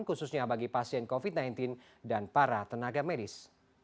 khususnya bagi pasien covid sembilan belas dan para tenaga medis